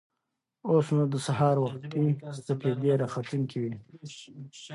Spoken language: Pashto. اوس نو د سهار وختي سپېدې راختونکې وې.